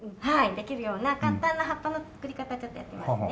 できるような簡単な葉っぱの作り方ちょっとやってみますね。